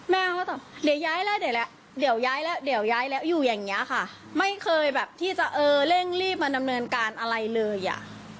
แม่เขาต่อเดี๋ยวย้ายแล้วอยู่อย่างเนี้ยค่ะไม่เคยแบบที่จะเออเร่งรีบมาดำเนินการอะไรเลยอ่ะ